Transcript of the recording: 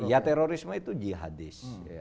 ya terorisme itu jihadis